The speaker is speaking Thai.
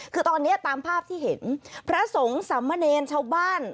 คือตอนนี้ตามภาพที่เห็นพระสงฆ์สามเณรชาวบ้าน